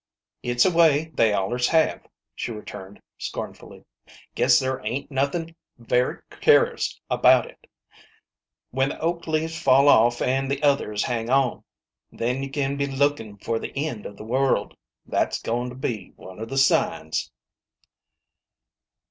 "It's a way they allers have," she returned, scornfully. " Guess there ain't nothin' very cur'us about it. When the oak leaves fall off an' the others hang on, then you can be lookin' for the end of the world ; that's goin' to be one of the signs."